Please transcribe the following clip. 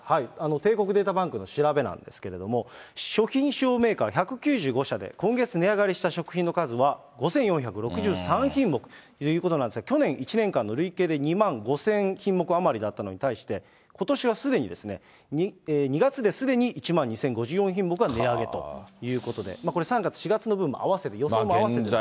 帝国データバンクの調べなんですけれども、食品主要メーカー１９５社で今月値上がりした食品の数は、５４６３品目ということなんですが、去年１年間の累計で２万５０００品目余りだったのに対して、ことしはすでに、２月ですでに１万２０５４品目が値上げということで、これ、３月、４月の分も合わせてですけどね、予想も併せてですが。